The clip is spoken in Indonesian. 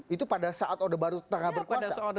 itu pada saat orde baru tengah berkuasa